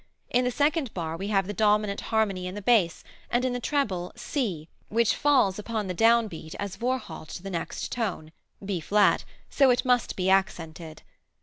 In the second bar we have the dominant harmony in the bass, and in the treble, C, which falls upon the down beat as Vorhalt to the next tone (B flat), so it must be accented.